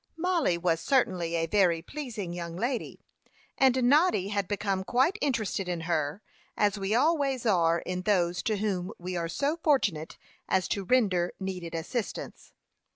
Mollie was certainly a very pleasing young lady, and Noddy had become quite interested in her, as we always are in those to whom we are so fortunate as to render needed assistance.